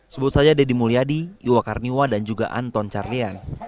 sebut saja deddy mulyadi iwa karniwa dan juga anton carlian